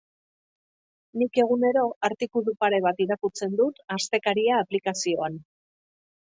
Nik egunero artikulu pare bat irakurtzen dut Astekaria aplikazioan.